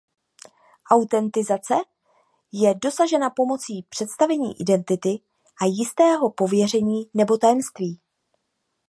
Autentizace je dosažena pomocí představení identity a jistého pověření nebo tajemství.